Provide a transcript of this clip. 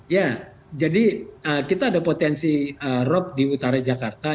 ya jadi kita ada potensi rop di utara jakarta